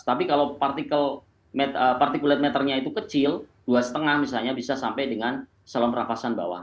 tapi kalau partikel particulate matternya itu kecil dua lima misalnya bisa sampai dengan saluran pernafasan bawah